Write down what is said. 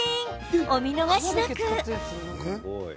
お見逃しなく。